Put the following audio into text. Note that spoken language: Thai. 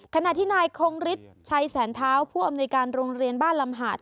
ขณะที่นายคงฤทธิ์ชัยแสนเท้าผู้อำนวยการโรงเรียนบ้านลำหาด